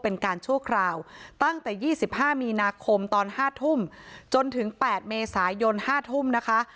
เป็นการชั่วคราวตั้งแต่๒๕มีนาคมตอน๕ทุ่มจนถึง๘เมษายน๕ทุ่มนะคะ